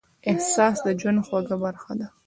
احساس د ژوند خوږه برخه ده.